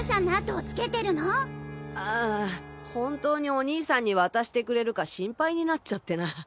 本当にお兄さんに渡してくれるか心配になっちゃってな。